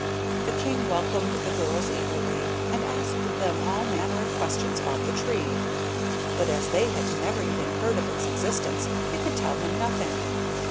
The king welcomed the girls eagerly, and asked them all manner of questions about the tree, but as they had never even heard of its existence, they could tell him nothing.